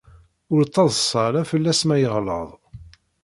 Ur ttaḍsa ara fell-as ma yeɣleḍ.